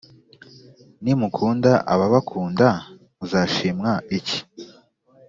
nimukunda ababakunda muzashimwa iki‽